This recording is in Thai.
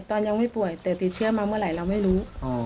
ตอนยังไม่ป่วยแต่ติดเชื้อมาเมื่อไหร่เราไม่รู้